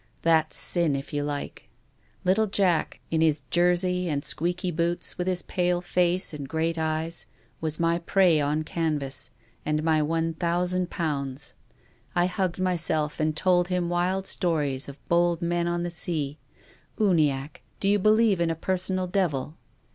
That's sin, if you like. Little Jack, in THE RAINBOW. 37 his jersey and squeaky boots, with his pale face and great eyes, was my prey on canvas and my ;{^ 1,000. I hugged myself and told him wild stories of bold men on the sea. Uniacke, do you believe in a personal devil?"